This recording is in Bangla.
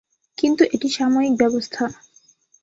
কিন্তু এটি সাময়িক ব্যবস্থা।